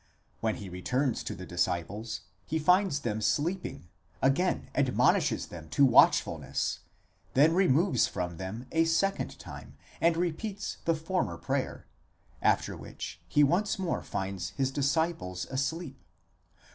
When he returns to the disciples, he finds them sleeping, again admonishes them to watchfulness, then removes from them a second time, and repeats the former prayer, after which he once more finds his disciples asleep.